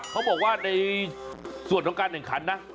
เขาบอกว่าในส่วนของการแข่งขันนะ